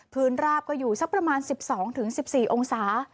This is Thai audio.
ราบก็อยู่สักประมาณ๑๒๑๔องศา